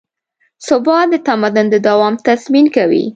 ثبات د تمدن د دوام تضمین کوي.